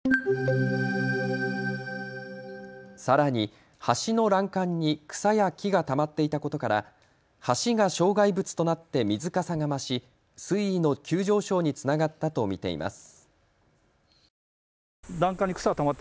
さらに、橋の欄干に草や木がたまっていたことから橋が障害物となって水かさが増し水の急上昇につながったと見ています。